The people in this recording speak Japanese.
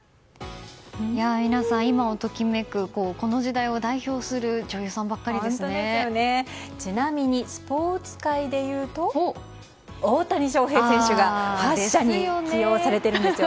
皆さん今を時めくこの時代を代表するちなみにスポーツ界でいうと大谷翔平選手が８社に起用されてるんですよ。